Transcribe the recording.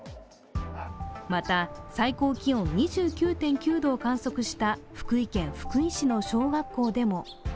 また、最高気温２９．９度を観測した福井県福井市の小学校でも。